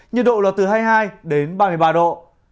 nhiệt độ là từ hai mươi hai đến ba mươi ba độ